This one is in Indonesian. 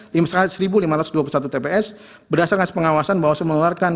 di misalkan seribu lima ratus dua puluh satu tps berdasarkan pengawasan bawaslu mengeluarkan